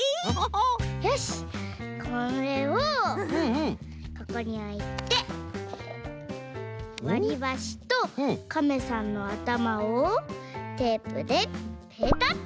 よしこれをここにおいてわりばしとカメさんのあたまをテープでペタッと。